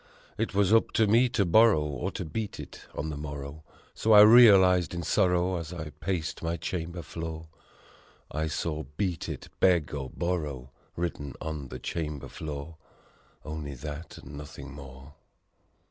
It was up to me to borrow or to beat it on the morrow So I realized in sorrow as I paced my chamber floor ; I saw, "Beat it, beg or borrow!" written on the chamber floor Only that and nothing more.